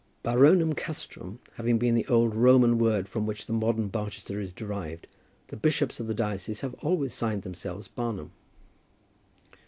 * *Baronum Castrum having been the old Roman name from which the modern Barchester is derived, the bishops of the diocese have always signed themselves Barnum.